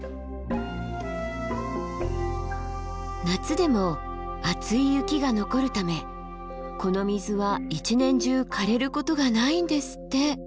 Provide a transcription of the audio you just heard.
夏でも厚い雪が残るためこの水は一年中かれることがないんですって。